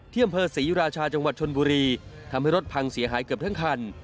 อำเภอศรีราชาจังหวัดชนบุรีทำให้รถพังเสียหายเกือบทั้งคัน